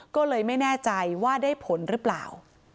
ก็เลยไม่แน่ใจว่าได้ผลหรือเปล่า